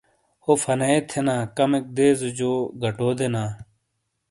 ہو، فنائے تھینا کمیک دیزو جو گَٹو دینا ۔